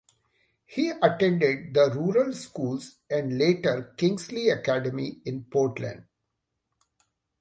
He attended the rural schools and later Kingsley Academy in Portland.